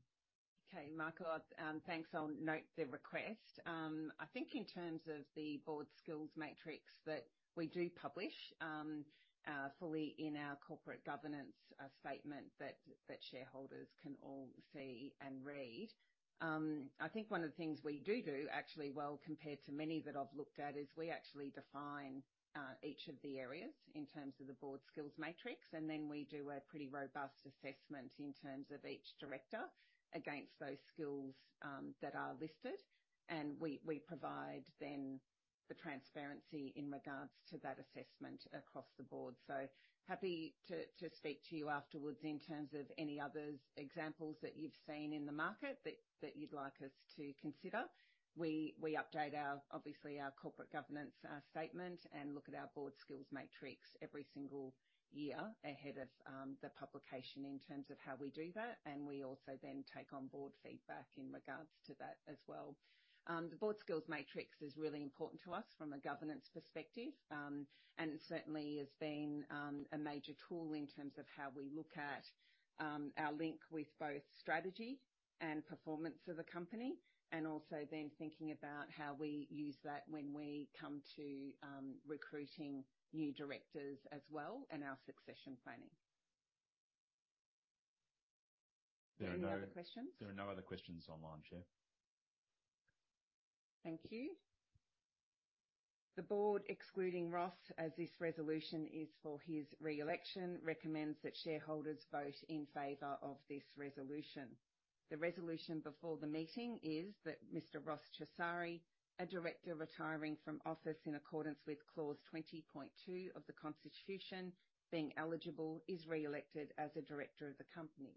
Okay, Michael. Thanks. I'll note the request. I think in terms of the board skills matrix, that we do publish, fully in our corporate governance statement, that shareholders can all see and read. I think one of the things we do do actually well, compared to many that I've looked at, is we actually define each of the areas in terms of the board skills matrix, and then we do a pretty robust assessment in terms of each director against those skills that are listed. And we provide then the transparency in regards to that assessment across the board. So happy to speak to you afterwards in terms of any other examples that you've seen in the market that you'd like us to consider. We update our, obviously, our corporate governance statement, and look at our board skills matrix every single year ahead of the publication in terms of how we do that, and we also then take on board feedback in regards to that as well. The board skills matrix is really important to us from a governance perspective. And certainly has been a major tool in terms of how we look at our link with both strategy and performance of the company, and also then thinking about how we use that when we come to recruiting new directors as well, and our succession planning. Are there any other questions? There are no other questions online, Chair. Thank you. The board, excluding Ross, as this resolution is for his re-election, recommends that shareholders vote in favor of this resolution. The resolution before the meeting is that Mr. Ross Chessari, a director retiring from office in accordance with Clause 20.2 of the Constitution, being eligible, is re-elected as a director of the company.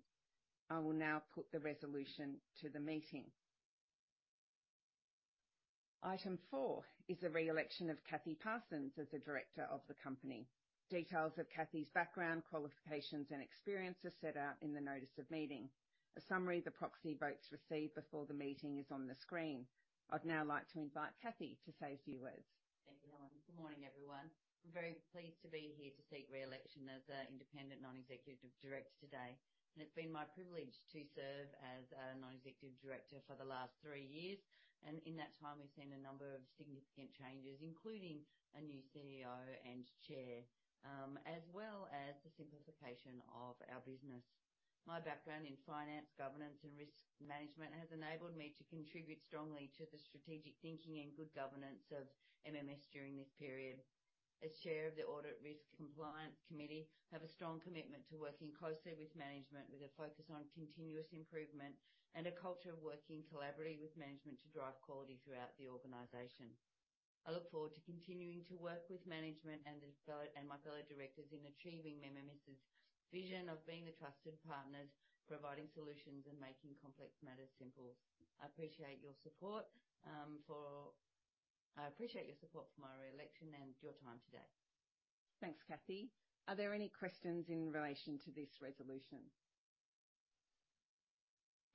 I will now put the resolution to the meeting. Item four is the re-election of Kathy Parsons as a director of the company. Details of Kathy's background, qualifications, and experience are set out in the notice of meeting. A summary of the proxy votes received before the meeting is on the screen. I'd now like to invite Kathy to say a few words. Thank you, Helen. Good morning, everyone. I'm very pleased to be here to seek re-election as an independent, non-executive director today. It's been my privilege to serve as a non-executive director for the last three years, and in that time, we've seen a number of significant changes, including a new CEO and chair, as well as the simplification of our business. My background in finance, governance, and risk management has enabled me to contribute strongly to the strategic thinking and good governance of MMS during this period. As chair of the Audit, Risk, and Compliance Committee, I have a strong commitment to working closely with management, with a focus on continuous improvement and a culture of working collaboratively with management to drive quality throughout the organization. I look forward to continuing to work with management and my fellow directors in achieving MMS's vision of being the trusted partners, providing solutions, and making complex matters simple. I appreciate your support for my re-election and your time today. Thanks, Kathy. Are there any questions in relation to this resolution?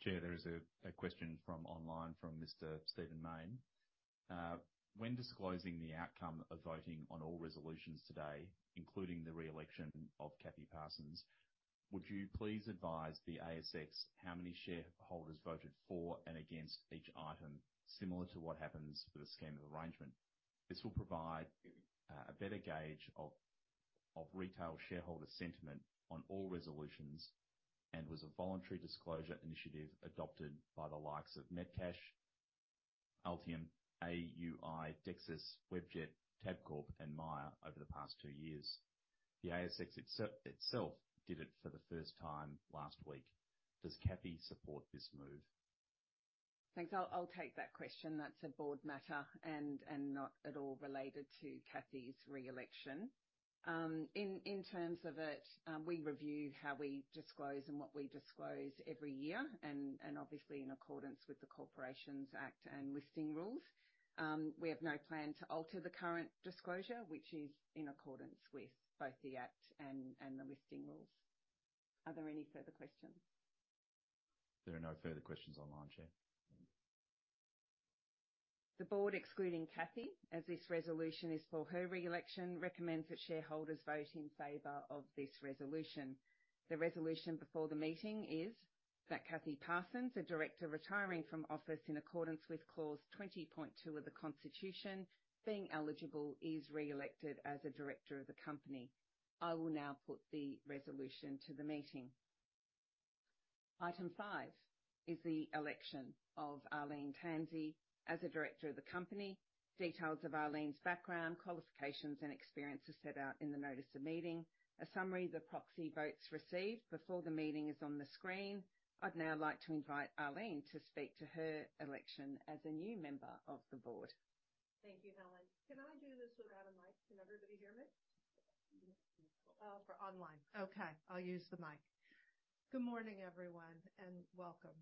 Chair, there is a question from online from Mr. Stephen Mayne. When disclosing the outcome of voting on all resolutions today, including the re-election of Kathy Parsons, would you please advise the ASX how many shareholders voted for and against each item, similar to what happens with a scheme of arrangement? This will provide a better gauge of retail shareholder sentiment on all resolutions, and was a voluntary disclosure initiative adopted by the likes of Metcash, Altium, AUI, Dexus, Webjet, Tabcorp, and Myer over the past two years. The ASX itself did it for the first time last week. Does Kathy support this move? Thanks. I'll take that question. That's a board matter and not at all related to Kathy's re-election. In terms of it, we review how we disclose and what we disclose every year, and obviously in accordance with the Corporations Act and listing rules. We have no plan to alter the current disclosure, which is in accordance with both the Act and the listing rules. Are there any further questions? There are no further questions online, Chair. The board, excluding Kathy, as this resolution is for her re-election, recommends that shareholders vote in favor of this resolution. The resolution before the meeting is that Kathy Parsons, a director retiring from office in accordance with Clause 20.2 of the Constitution, being eligible, is re-elected as a director of the company. I will now put the resolution to the meeting. Item five is the election of Arlene Tansey as a director of the company. Details of Arlene's background, qualifications, and experience are set out in the notice of meeting. A summary of the proxy votes received before the meeting is on the screen. I'd now like to invite Arlene to speak to her election as a new member of the board. Thank you, Helen. Can I do this without a mic? Can everybody hear me? For online. Okay, I'll use the mic. Good morning, everyone, and welcome.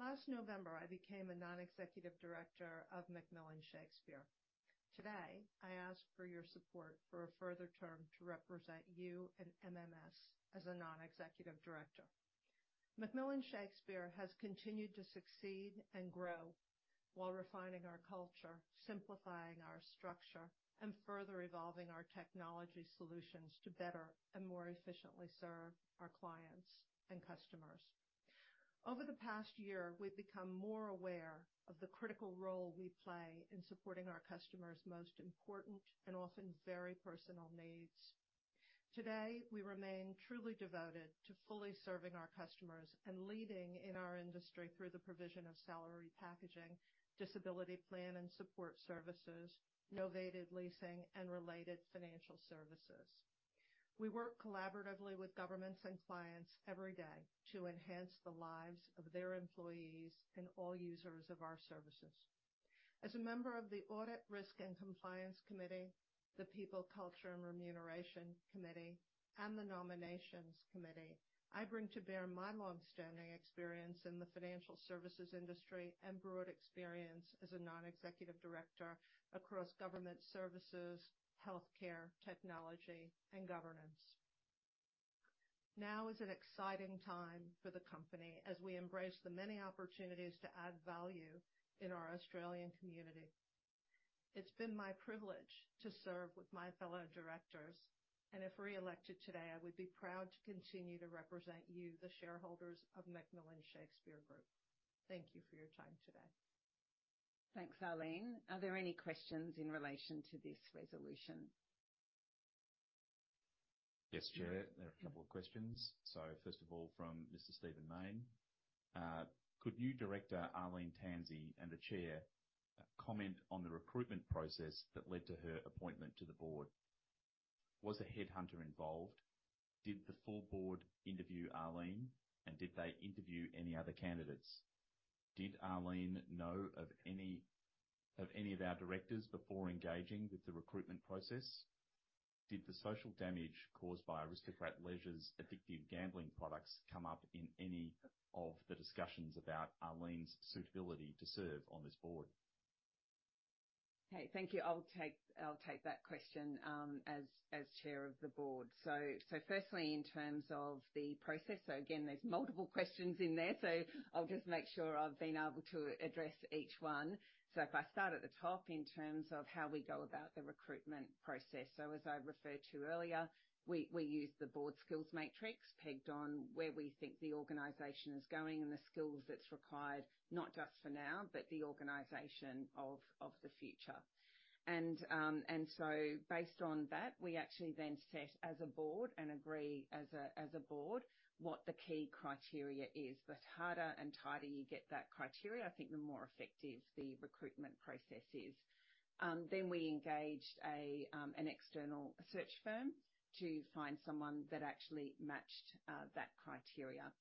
Last November, I became a non-executive director of McMillan Shakespeare. Today, I ask for your support for a further term to represent you and MMS as a non-executive director. McMillan Shakespeare has continued to succeed and grow while refining our culture, simplifying our structure, and further evolving our technology solutions to better and more efficiently serve our clients and customers. Over the past year, we've become more aware of the critical role we play in supporting our customers' most important and often very personal needs. Today, we remain truly devoted to fully serving our customers and leading in our industry through the provision of salary packaging, disability plan and support services, novated leasing, and related financial services. We work collaboratively with governments and clients every day to enhance the lives of their employees and all users of our services. As a member of the Audit, Risk, and Compliance Committee, the People, Culture, and Remuneration Committee, and the Nominations Committee, I bring to bear my long-standing experience in the financial services industry and broad experience as a non-executive director across government services, healthcare, technology, and governance. Now is an exciting time for the company as we embrace the many opportunities to add value in our Australian community. It's been my privilege to serve with my fellow directors, and if re-elected today, I would be proud to continue to represent you, the shareholders of McMillan Shakespeare Group. Thank you for your time today. Thanks, Arlene. Are there any questions in relation to this resolution? Yes, Chair. There are a couple of questions. So first of all, from Mr. Stephen Mayne. Could new director, Arlene Tansey, and the Chair comment on the recruitment process that led to her appointment to the board? Was a headhunter involved? Did the full board interview Arlene, and did they interview any other candidates? Did Arlene know of any, of any of our directors before engaging with the recruitment process? Did the social damage caused by Aristocrat Leisure's addictive gambling products come up in any of the discussions about Arlene's suitability to serve on this board? Hey, thank you. I'll take that question as Chair of the board. So firstly, in terms of the process, so again, there's multiple questions in there, so I'll just make sure I've been able to address each one. So if I start at the top in terms of how we go about the recruitment process. So as I referred to earlier, we use the board skills matrix, pegged on where we think the organization is going and the skills that's required, not just for now, but the organization of the future. And so based on that, we actually then set, as a board, and agree as a board, what the key criteria is. The harder and tighter you get that criteria, I think the more effective the recruitment process is. Then we engaged an external search firm to find someone that actually matched that criteria.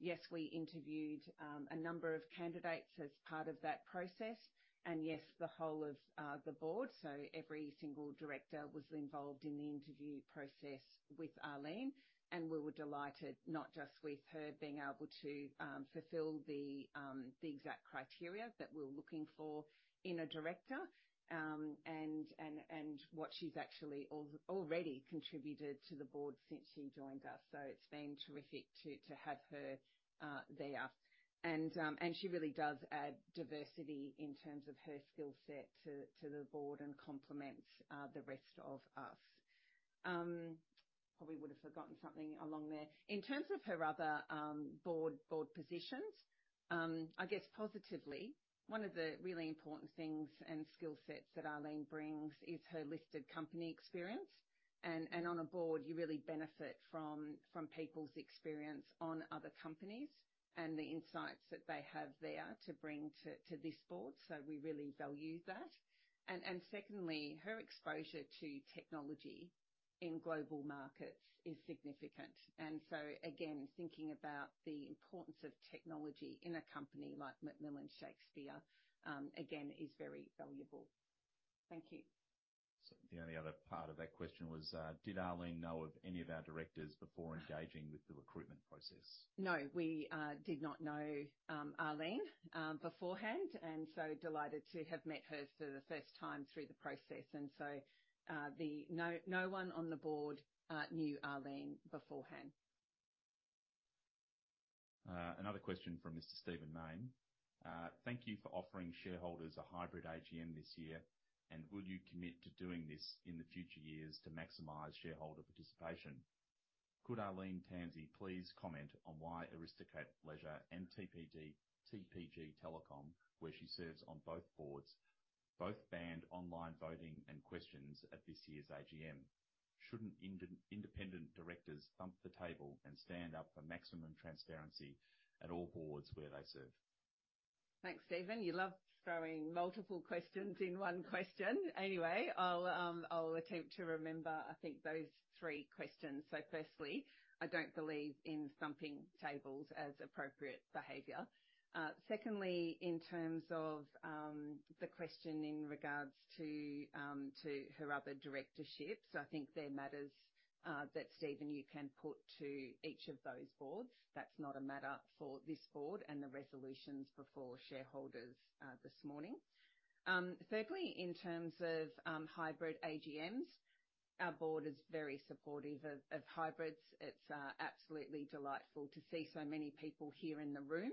Yes, we interviewed a number of candidates as part of that process, and yes, the whole of the board. So every single director was involved in the interview process with Arlene, and we were delighted, not just with her being able to fulfill the exact criteria that we're looking for in a director, and what she's actually already contributed to the board since she joined us. So it's been terrific to have her there. And she really does add diversity in terms of her skill set to the board, and complements the rest of us. Probably would've forgotten something along there. In terms of her other board positions, I guess positively, one of the really important things and skill sets that Arlene brings is her listed company experience. And on a board, you really benefit from people's experience on other companies, and the insights that they have there to bring to this board. So we really value that. And secondly, her exposure to technology in global markets is significant. And so again, thinking about the importance of technology in a company like McMillan Shakespeare, again, is very valuable. Thank you. The only other part of that question was, did Arlene know of any of our directors before engaging with the recruitment process? No, we did not know Arlene beforehand, and so delighted to have met her for the first time through the process. And so, no, no one on the board knew Arlene beforehand. Another question from Mr. Stephen Mayne. Thank you for offering shareholders a hybrid AGM this year, and will you commit to doing this in the future years to maximize shareholder participation? Could Arlene Tansey please comment on why Aristocrat Leisure and TPG Telecom, where she serves on both boards, both banned online voting and questions at this year's AGM? Shouldn't independent directors thump the table and stand up for maximum transparency at all boards where they serve? Thanks, Stephen. You love throwing multiple questions in one question. Anyway, I'll attempt to remember, I think, those three questions. So firstly, I don't believe in thumping tables as appropriate behavior. Secondly, in terms of the question in regards to her other directorships, I think they're matters that, Stephen, you can put to each of those boards. That's not a matter for this board and the resolutions before shareholders this morning. Thirdly, in terms of hybrid AGMs, our board is very supportive of hybrids. It's absolutely delightful to see so many people here in the room,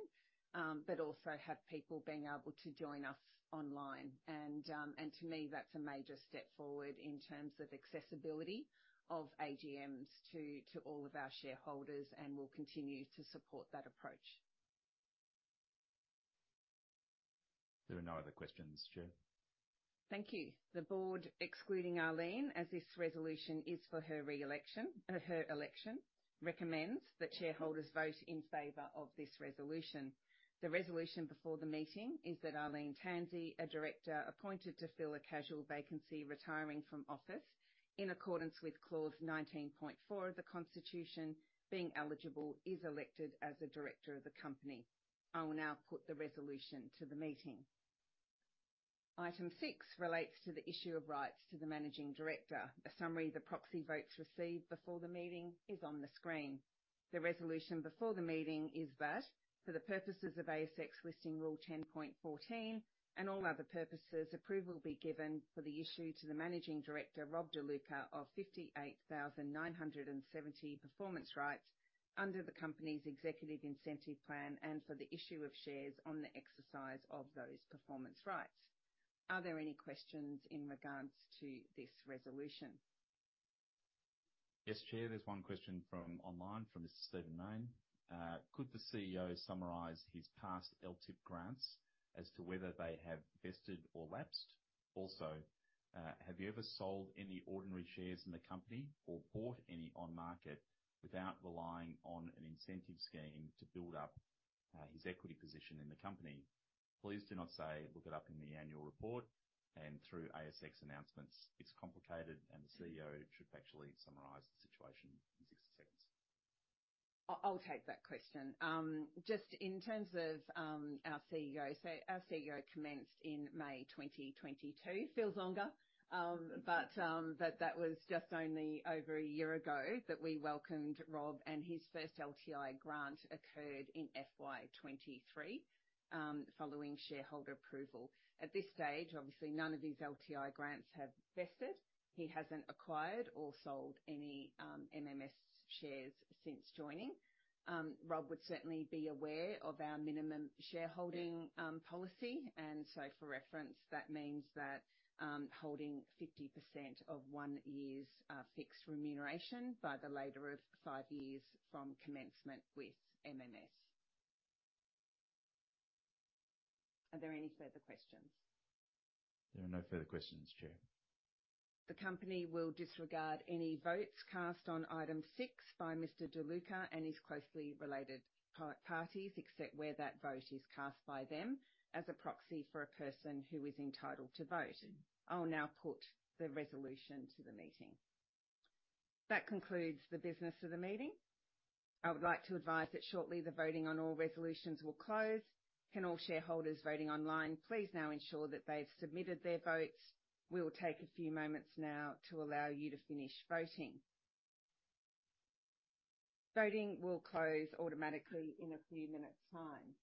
but also have people being able to join us online. And to me, that's a major step forward in terms of accessibility of AGMs to all of our shareholders, and we'll continue to support that approach. There are no other questions, Chair. Thank you. The board, excluding Arlene, as this resolution is for her re-election, her election, recommends that shareholders vote in favor of this resolution. The resolution before the meeting is that Arlene Tansey, a director appointed to fill a casual vacancy, retiring from office, in accordance with Clause 19.4 of the Constitution, being eligible, is elected as a director of the Company. I will now put the resolution to the meeting. Item 6 relates to the issue of rights to the Managing Director. A summary of the proxy votes received before the meeting is on the screen. The resolution before the meeting is that, for the purposes of ASX Listing Rule 10.14, and all other purposes, approval be given for the issue to the Managing Director, Rob De Luca, of 58,970 performance rights under the company's executive incentive plan, and for the issue of shares on the exercise of those performance rights. Are there any questions in regards to this resolution? Yes, Chair. There's one question from online, from Mr. Stephen Mayne. Could the CEO summarize his past LTIP grants as to whether they have vested or lapsed? Also, have you ever sold any ordinary shares in the company or bought any on market without relying on an incentive scheme to build up his equity position in the company? Please do not say, "Look it up in the annual report," and through ASX announcements. It's complicated, and the CEO should actually summarize the situation in 60 seconds. I'll take that question. Just in terms of our CEO. So our CEO commenced in May 2022. Feels longer, but that was just only over a year ago that we welcomed Rob, and his first LTI grant occurred in FY 2023, following shareholder approval. At this stage, obviously, none of these LTI grants have vested. He hasn't acquired or sold any MMS shares since joining. Rob would certainly be aware of our minimum shareholding policy. And so for reference, that means that holding 50% of one year's fixed remuneration by the later of five years from commencement with MMS. Are there any further questions? There are no further questions, Chair. The company will disregard any votes cast on item six by Mr. De Luca and his closely related parties, except where that vote is cast by them as a proxy for a person who is entitled to vote. I will now put the resolution to the meeting. That concludes the business of the meeting. I would like to advise that shortly, the voting on all resolutions will close. Can all shareholders voting online, please now ensure that they've submitted their votes. We will take a few moments now to allow you to finish voting. Voting will close automatically in a few minutes' time.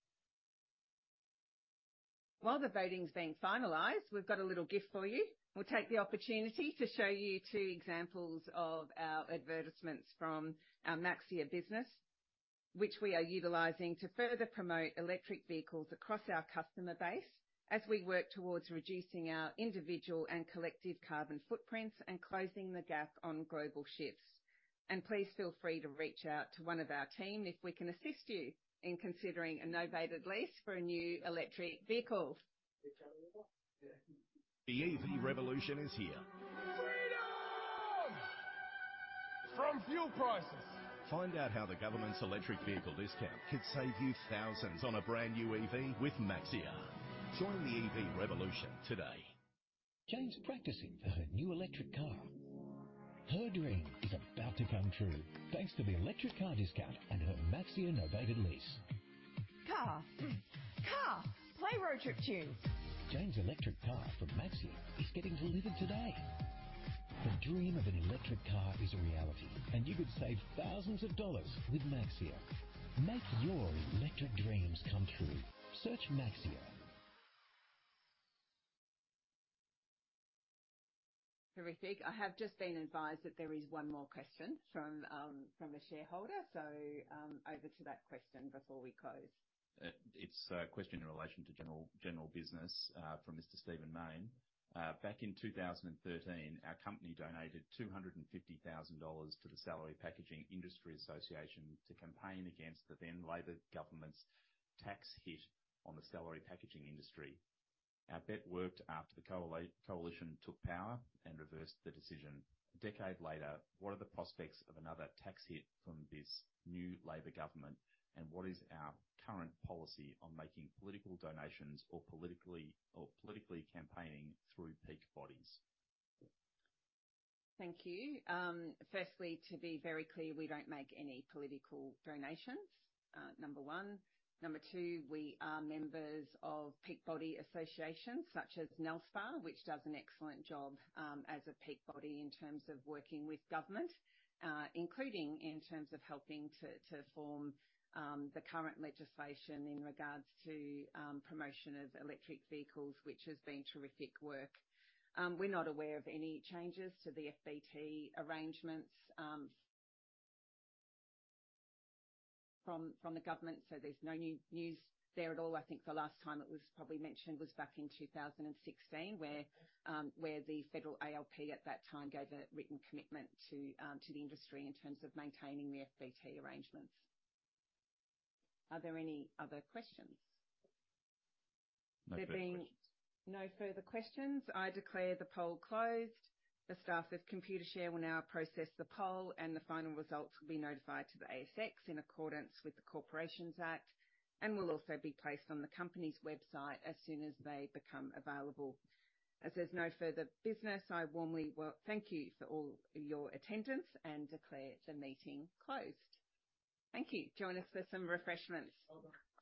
While the voting is being finalized, we've got a little gift for you. We'll take the opportunity to show you two examples of our advertisements from our Maxxia business, which we are utilizing to further promote electric vehicles across our customer base, as we work towards reducing our individual and collective carbon footprints and closing the gap on global shifts. Please feel free to reach out to one of our team if we can assist you in considering a novated lease for a new electric vehicle. The EV revolution is here. Freedom! From fuel prices. Find out how the government's electric vehicle discount could save you thousands on a brand-new EV with Maxxia. Join the EV revolution today. Jane's practicing for her new electric car. Her dream is about to come true, thanks to the electric car discount and her Maxxia novated lease. Car. Car! Play Road Trip Two. Jane's electric car from Maxxia is getting delivered today. The dream of an electric car is a reality, and you could save thousands of AUD with Maxxia. Make your electric dreams come true. Search Maxxia. Terrific. I have just been advised that there is one more question from a shareholder. So, over to that question before we close. It's a question in relation to general business from Mr. Stephen Mayne. Back in 2013, our company donated 250,000 dollars to the Salary Packaging Industry Association to campaign against the then Labor government's tax hit on the salary packaging industry. Our bet worked after the Coalition took power and reversed the decision. A decade later, what are the prospects of another tax hit from this new Labor government? And what is our current policy on making political donations or politically campaigning through peak bodies? Thank you. Firstly, to be very clear, we don't make any political donations, number one. Number two, we are members of peak body associations such as NALSPA, which does an excellent job, as a peak body in terms of working with government, including in terms of helping to form the current legislation in regards to promotion of electric vehicles, which has been terrific work. We're not aware of any changes to the FBT arrangements from the government, so there's no new news there at all. I think the last time it was probably mentioned was back in 2016, where the federal ALP at that time gave a written commitment to the industry in terms of maintaining the FBT arrangements. Are there any other questions? No further questions. There being no further questions, I declare the poll closed. The staff of Computershare will now process the poll, and the final results will be notified to the ASX in accordance with the Corporations Act, and will also be placed on the company's website as soon as they become available. As there's no further business, I warmly thank you for all your attendance and declare the meeting closed. Thank you. Join us for some refreshments. Well done.